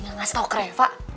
gak ngasih tau ke reva